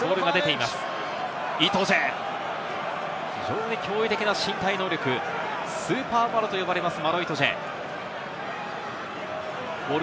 イトジェ、非常に驚異的な身体能力、スーパーマロと呼ばれます、マロ・イトジェ。